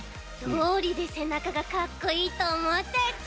どうりでせなかがかっこいいとおもったち！